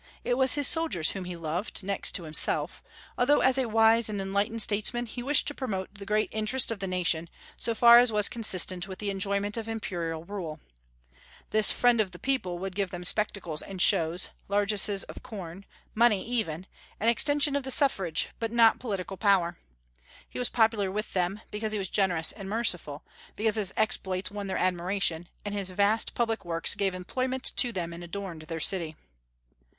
It was his soldiers whom he loved, next to himself; although, as a wise and enlightened statesman, he wished to promote the great interests of the nation, so far as was consistent with the enjoyment of imperial rule. This friend of the people would give them spectacles and shows, largesses of corn, money, even, and extension of the suffrage, but not political power. He was popular with them, because he was generous and merciful, because his exploits won their admiration, and his vast public works gave employment to them and adorned their city.